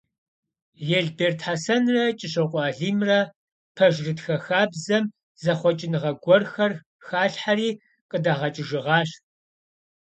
Елберд Хьэсэнрэ Кӏыщокъуэ Алимрэ пэжырытхэ хабзэм зэхъуэкӏыныгъэ гуэрхэр халъхэри къыдагъэкӏыжыгъащ.